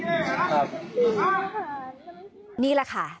มึงด่ากูทำไม